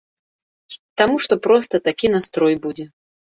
Таму што проста такі настрой будзе.